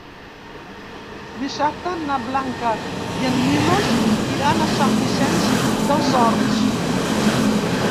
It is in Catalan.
Dissabte na Blanca i en Milos iran a Sant Vicenç dels Horts.